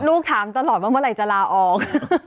ลูกถามตลอดว่าเมื่อไหร่จะลาออก